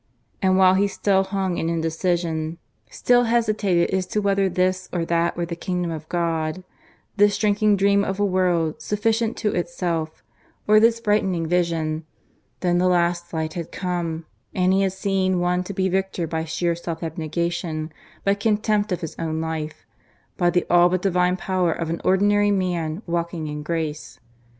And while he still hung in indecision, still hesitated as to whether this or that were the Kingdom of God this shrinking dream of a world sufficient to itself, or this brightening vision then the last light had come, and he had seen one to be victor by sheer self abnegation, by contempt of his own life, by the all but divine power of an ordinary man walking in grace.